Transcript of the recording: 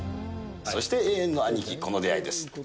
そして永遠の兄貴、この出会いです。